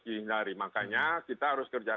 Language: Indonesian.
hindari makanya kita harus kerja